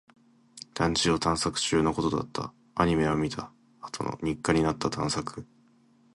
団地を探索中のことだった。アニメを見たあとの日課になった探索。